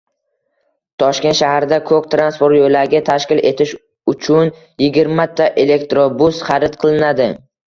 Toshkent shahrida «ko‘k» transport yo‘lagi tashkil etish uchunyigirmata elektrobus xarid qilinadi